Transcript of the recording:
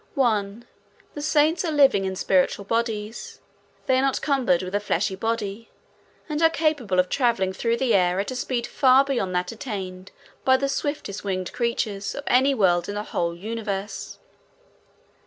1. The saints are living in spiritual bodies. They are not cumbered with a fleshy body, and are capable of traveling through the air at a speed far beyond that attained by the swiftest winged creature of any world in the whole universe.